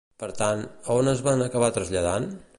Per tant, a on es van acabar traslladant?